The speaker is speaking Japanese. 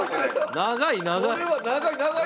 「長い長い！」